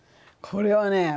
これはね